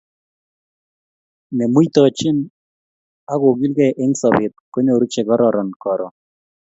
Nemuitochini ako kilkei eng sobet, konyoru chekororon karon.